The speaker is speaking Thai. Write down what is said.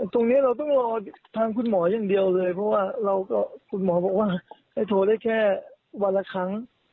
ตรงนี้เราต้องรอทางคุณหมออย่างเดียวเลยเพราะว่าคุณหมอบอกว่าให้โทรได้แค่วันละครั้ง